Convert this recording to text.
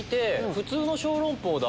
普通の小籠包だ。